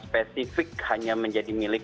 spesifik hanya menjadi milik